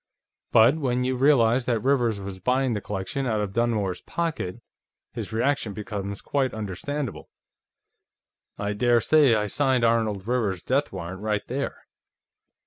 But when you realize that Rivers was buying the collection out of Dunmore's pocket, his reaction becomes quite understandable. I daresay I signed Arnold Rivers's death warrant, right there."